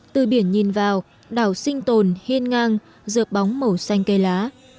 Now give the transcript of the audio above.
từ biển nhìn vào đảo sinh tồn hiên ngang rợp bóng màu xanh cây lá